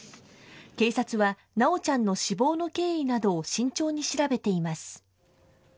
警察は修ちゃんの死亡の経緯などを慎重に調べています。